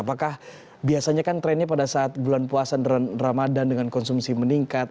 apakah biasanya kan trennya pada saat bulan puasa dan ramadan dengan konsumsi meningkat